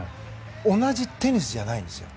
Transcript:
同じテニスじゃないんですよ。